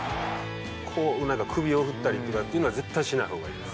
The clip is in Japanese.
こうなんか首を振ったりとかっていうのは絶対しない方がいいです。